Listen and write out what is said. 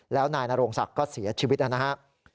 แล้วนายนโรงศักดิ์ก็เสียชีวิตนะครับ